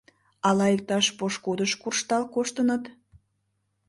Ала иктаж пошкудыш куржтал коштыныт?